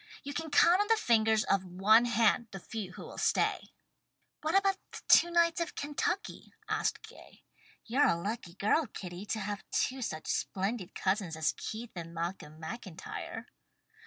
You can count on the fingers of one hand the few who will stay." "What about the two knights of Kentucky?" asked Gay. "You're a lucky girl, Kitty, to have two such splendid cousins as Keith and Malcolm MacIntyre."